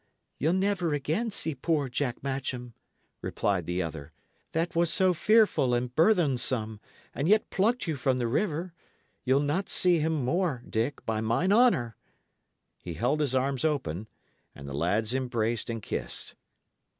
"Ye'll never again see poor Jack Matcham," replied the other, "that was so fearful and burthensome, and yet plucked you from the river; ye'll not see him more, Dick, by mine honour!" He held his arms open, and the lads embraced and kissed.